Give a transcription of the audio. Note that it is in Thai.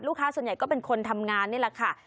ส่วนใหญ่ก็เป็นคนทำงานนี่แหละค่ะ